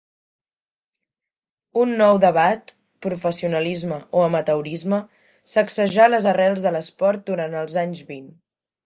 Un nou debat, professionalisme o amateurisme, sacsejà les arrels de l'esport durant els anys vint.